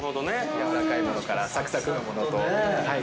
◆やわらかいものからサクサクのものと、はい。